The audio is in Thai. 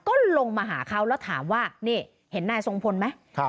ก็ลงมาหาเขาแล้วถามว่านี่เห็นนายทรงพลไหม